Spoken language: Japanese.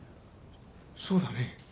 そうだね。